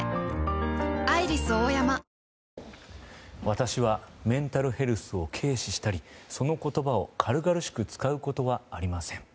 私はメンタルヘルスを軽視したりその言葉を軽々しく使うことはありません。